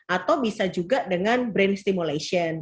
atau bisa juga dengan brain stimulation